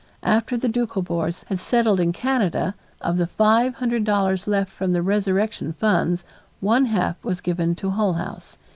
After the Dukhobors were settled in Canada, of the five hundred dollars left from the "Resurrection" funds, one half was given to Hull House.